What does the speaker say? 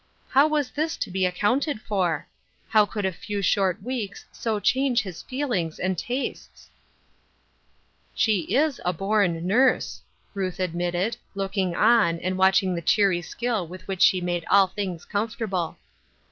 How was this to be accounted for ? How could a few short weeks so change his feel ings and tastes ?" She is a born nurse," Ruth admitted, look ing on, and watching the cheery skill with which she made all things comfortable.